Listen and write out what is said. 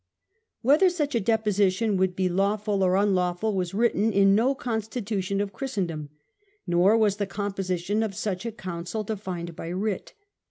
Whether such a deposition would be lawful or unlawful was written in no Constitution of Christendom ; nor was the composition of such a Council defined by writ.